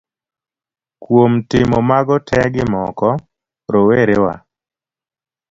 Kuom timo mago tee gi moko, rowere wa